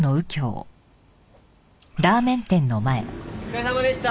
お疲れさまでした。